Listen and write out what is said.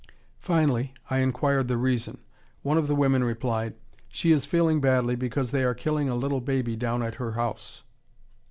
Finally I inquired the reason. One of the women replied, "She is feeling badly because they are killing a little baby down at her house."